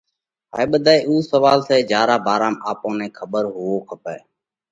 هائي ٻڌائي اُو سوئال سئہ جيا را ڀارام آپون نئہ کٻر هووَو کپئہ۔